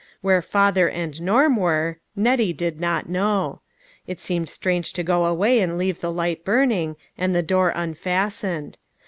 Where father and Nona were, Nettie did not know. It seemed strange to go away and leave the light burning, and the door unfastened.